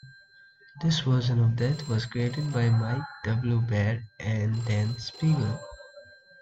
This version of Death was created by Mike W. Barr and Dan Spiegle.